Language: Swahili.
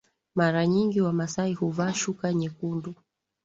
mara nyingi wamasai huvaa shuka nyekundu